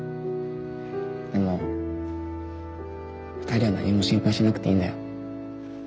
でも２人は何も心配しなくていいんだよ。